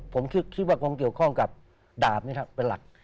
ผมคิดว่าคงเกี่ยวข้องกับดาบเป็นหลัก